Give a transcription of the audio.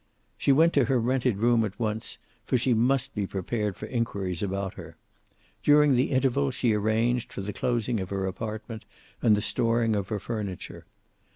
She went to her rented room at once, for she must be prepared for inquiries about her. During the interval she arranged for the closing of her apartment and the storing of her furniture.